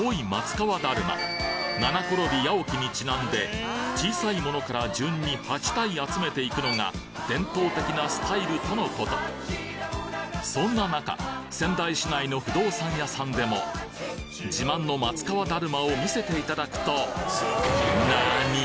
この小さいものから順に８体集めていくのが伝統的なスタイルとのことそんな中仙台市内の不動産屋さんでも自慢の松川だるまを見せていただくと何！？